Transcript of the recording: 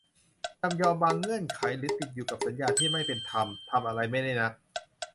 จำยอมบางเงื่อนไข หรือติดอยู่กับสัญญาที่ไม่เป็นธรรม ทำอะไรไม่ได้นัก